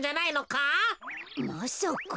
まさか。